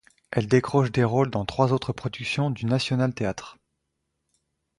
Elle décroche des rôles dans trois autres productions du National Theatre.